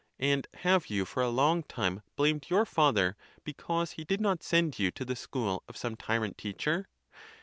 And have you for a long time blamed your father, because he did not send you to the school of some tyrant teacher?!